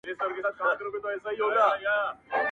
• هسي نه دا ارمان یوسم زه تر ګوره قاسم یاره..